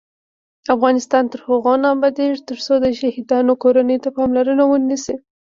افغانستان تر هغو نه ابادیږي، ترڅو د شهیدانو کورنیو ته پاملرنه ونشي.